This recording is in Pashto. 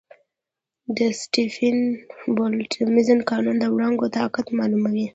د سټیفن-بولټزمن قانون د وړانګو طاقت معلوموي.